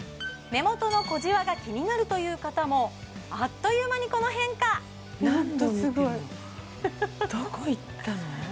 目元の小じわが気になるという方もあっという間にこの変化ホントすごいどこいったの？